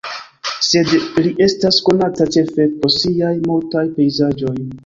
Sed li estas konata ĉefe pro siaj multaj pejzaĝoj.